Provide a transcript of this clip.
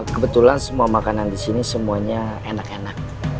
kebetulan semua makanan disini semuanya enak enak